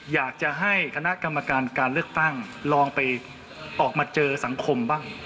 อยากจะให้คณะกรรมการการเลือกตั้งลองไปออกมาเจอสังคมบ้าง